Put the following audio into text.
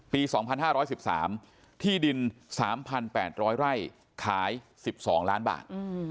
ปี๒๕๑๓ที่ดิน๓๘๐๐ไร่ขาย๑๒ล้านบาท